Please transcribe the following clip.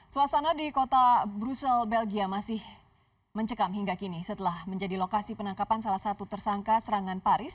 suasana di kota brussel belgia masih mencekam hingga kini setelah menjadi lokasi penangkapan salah satu tersangka serangan paris